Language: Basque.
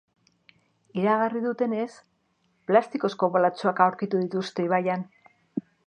Iragarri dutenez, plastikozko bolatxoak aurkitu dituzte ibaian.